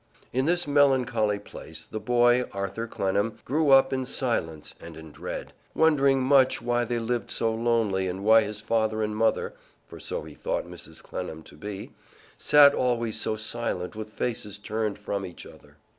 In this melancholy place the boy Arthur Clennam grew up in silence and in dread, wondering much why they lived so lonely and why his father and mother (for so he thought Mrs. Clennam to be) sat always so silent with faces turned from each other.